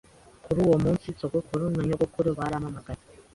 Kuri uwo munsi sogokuru na nyogokuru barampamagaye